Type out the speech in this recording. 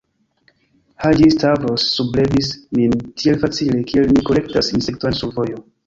Haĝi-Stavros sublevis min tiel facile, kiel ni kolektas insekton sur vojo.